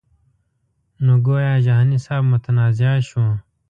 نو ګویا جهاني صاحب متنازعه شو.